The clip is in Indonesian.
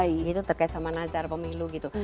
itu terkait sama nazar pemilu gitu